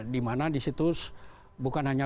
dimana di situs bukan hanya